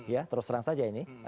ya terus terang saja ini